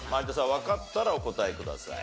わかったらお答えください。